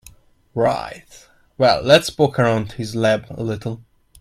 Right, well let's poke around his lab a little.